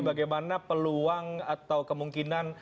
bagaimana peluang atau kemungkinan